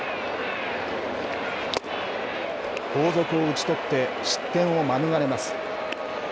後続を打ち取って失点を免れます。